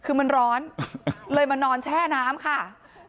คือมันร้อนเลยมานอนแช่น้ำค่ะ